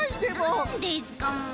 なんですかもう。